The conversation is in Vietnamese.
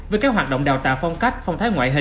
với các hoạt động đào tạo phong cách phong thái